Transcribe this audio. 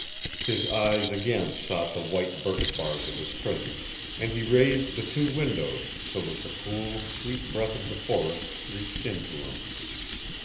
His eyes again sought the white birch bars of his prison, and he raised the two windows so that the cool, sweet breath of the forests reached in to him.